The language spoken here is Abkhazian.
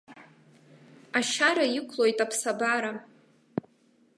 Ашьара иқәлоит аԥсабара.